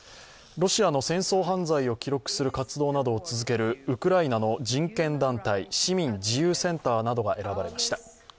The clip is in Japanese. ロシアの戦争犯罪を記録する活動などを続けるウクライナの人権団体、市民自由センターなどが選ばれました。